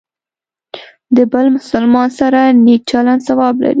د بل مسلمان سره نیک چلند ثواب لري.